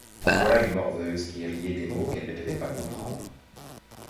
En voilà une morveuse qui riait des mots qu'elle ne devait pas comprendre !